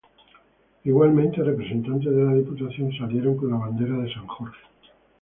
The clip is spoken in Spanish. Igualmente, representantes de la diputación salieron con la bandera de san Jorge.